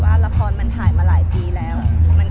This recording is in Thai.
แม็กซ์ก็คือหนักที่สุดในชีวิตเลยจริง